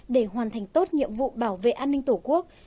để hoàn thành tốt nhiệm vụ bảo vệ an ninh tổ quốc